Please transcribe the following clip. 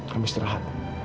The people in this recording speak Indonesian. kamu harus berusaha